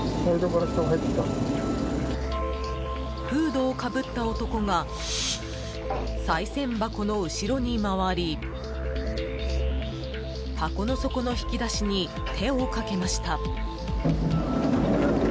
フードをかぶった男がさい銭箱の後ろに回り箱の底の引き出しに手をかけました。